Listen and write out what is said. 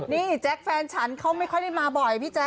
นี่แจ๊คแฟนฉันเขาไม่ค่อยได้มาบ่อยพี่แจ๊